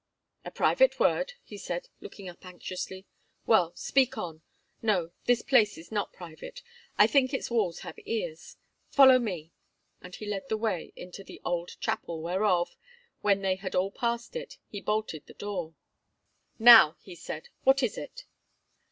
"A private word," he said, looking up anxiously. "Well, speak on. No, this place is not private; I think its walls have ears. Follow me," and he led the way into the old chapel, whereof, when they had all passed it, he bolted the door. "Now," he said, "what is it?"